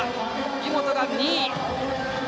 井本が２位。